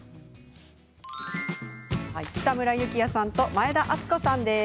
北村有起哉さんと前田敦子さんです。